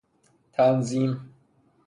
تنظیم